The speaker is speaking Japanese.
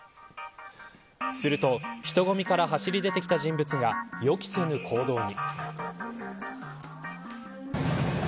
すると、人混みから走り出て来た人物が予期せぬ行動に。